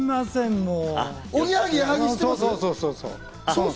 もう。